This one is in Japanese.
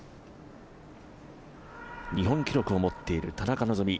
日本記録を持っている田中希実。